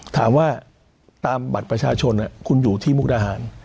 ถามว่าตามบัตรประชาชนคุณอยู่ที่มุกดาหาร